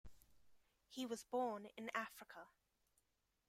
He was born in Africa.